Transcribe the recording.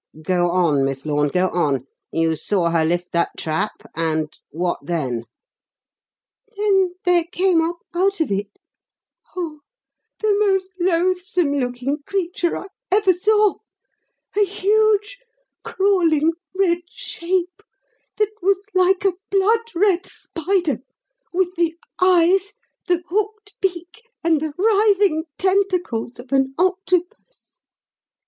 Go on, Miss Lorne, go on. You saw her lift that trap; and what then?" "Then there came up out of it oh, the most loathsome looking creature I ever saw; a huge, crawling, red shape that was like a blood red spider, with the eyes, the hooked beak, and the writhing tentacles of an octopus.